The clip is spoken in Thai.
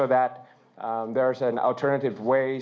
ถ้ามีงานยังได้ฉันจะบริเวณ